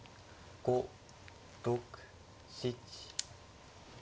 ５６７。